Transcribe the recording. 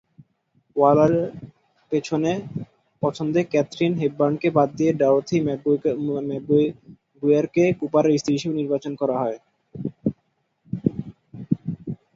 ওয়ালারের পছন্দে ক্যাথরিন হেপবার্নকে বাদ দিয়ে ডরোথি ম্যাকগুইয়ারকে কুপারের স্ত্রী হিসেবে নির্বাচন করা হয়।